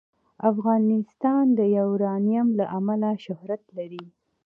افغانستان د یورانیم له امله شهرت لري.